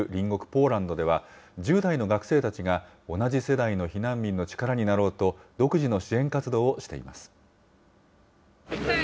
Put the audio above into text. ポーランドでは、１０代の学生たちが、同じ世代の避難民の力になろうと、独自の支援活動をしています。